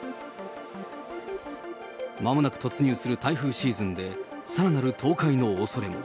まもなく突入する台風シーズンで、さらなる倒壊のおそれも。